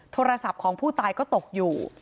โทรศัพท์ของผู้ตายก็ตกอยู่